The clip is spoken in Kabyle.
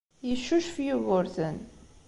Yeccucef Yugurten.